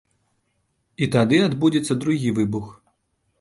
І тады адбудзецца другі выбух.